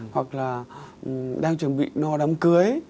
hoặc là đang chuẩn bị no đám cưới